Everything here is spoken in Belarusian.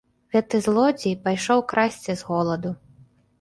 Гэты злодзей пайшоў красці з голаду.